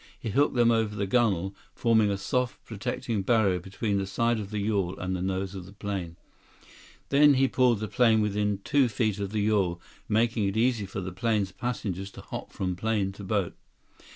He hooked them over the gunnel, forming a soft protecting barrier between the side of the yawl and the nose of the plane. Then he pulled the plane within two feet of the yawl, making it easy for the plane's passengers to hop from plane to boat.